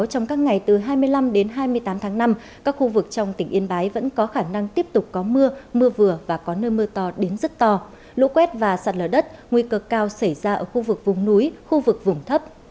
trong các ngày từ hai mươi năm đến hai mươi tám tháng năm các khu vực trong tỉnh yên bái vẫn có khả năng tiếp tục có mưa mưa vừa và có nơi mưa to đến rất to lũ quét và sạt lở đất nguy cơ cao xảy ra ở khu vực vùng núi khu vực vùng thấp